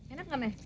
enak gak meh